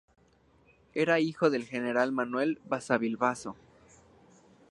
Era hijo del general Manuel Basavilbaso.